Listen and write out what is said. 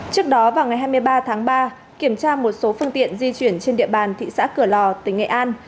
trước đó vào ngày hai mươi ba tháng ba kiểm tra một số phương tiện di chuyển trên địa bàn thị xã cửa lò tỉnh nghệ an